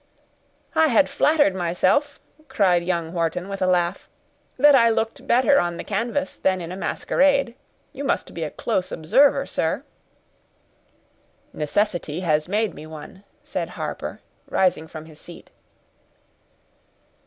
"I had flattered myself," cried young Wharton, with a laugh, "that I looked better on the canvas than in a masquerade. You must be a close observer, sir." "Necessity has made me one," said Harper, rising from his seat.